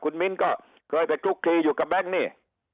คุณมิ้นก็เคยไปคุกคลีอยู่กับแบงค์นี่